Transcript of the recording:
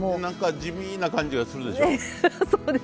何か地味な感じがするでしょう？